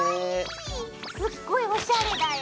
すっごいおしゃれだよ。